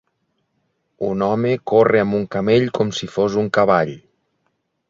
Un home corre amb un camell com si fos un cavall.